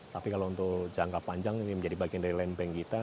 tapi kalau untuk jangka panjang ini menjadi bagian dari land bank kita